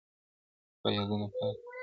خو يادونه پاته وي-